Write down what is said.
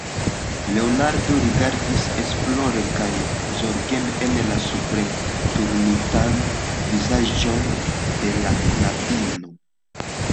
Leonardo rigardis esplore kaj zorgeme en la suprenturnitan vizaĝon de la knabino.